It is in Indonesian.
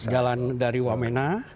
jalan dari wamena